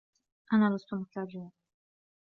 أنا لست مستعجلاً.